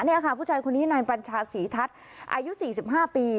นี่ค่ะผู้ชายคนนี้นายปัญชาศรีทัศน์อายุ๔๕ปี